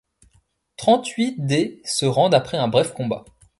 Trente-huit des se rendent après un bref combat.